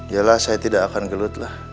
yalah saya tidak akan gelut lah